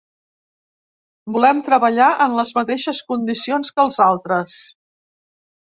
Volem treballar en les mateixes condicions que els altres.